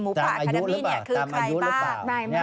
หมูป่าธนมิตรเนี่ยคือใครบ้าง